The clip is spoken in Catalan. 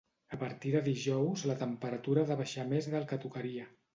A partir de dijous la temperatura ha de baixar més del que tocaria